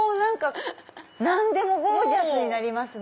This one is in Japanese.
何でもゴージャスになりますね！